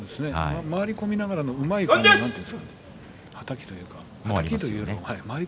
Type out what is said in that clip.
回り込みながらのうまいはたきというか。